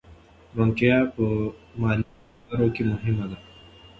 روڼتیا په مالي چارو کې مهمه ده.